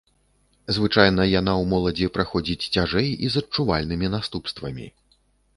Звычайна яна ў моладзі праходзіць цяжэй і з адчувальнымі наступствамі.